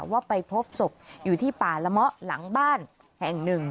ว่าไปพบศพอยู่ที่ป่าละเมาะหลังบ้านแห่งหนึ่ง